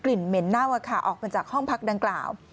กลิ่นเหม็นเน่าอะค่ะออกไปจากห้องพักดังกล่าว